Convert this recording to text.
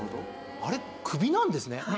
あれ首なんですね。